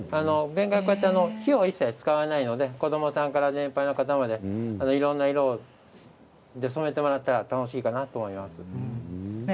ベンガラは火は一切使わないので子どもさんから年配の方までいろんな色で染めてもらったら楽しいかなと思います。